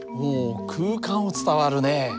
お「空間を伝わる」ね。